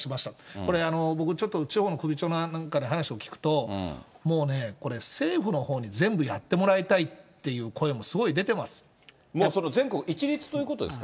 これ、僕ちょっと地方の首長なんかから話を聞くと、もうね、これ政府のほうに全部やってもらいたいっていう声もすごい出てま全国一律ということですか？